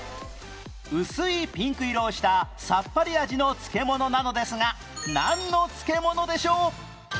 薄いピンク色をしたさっぱり味の漬物なのですがなんの漬物でしょう？